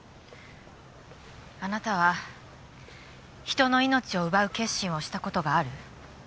あなたは人の命を奪う決心をした事がある？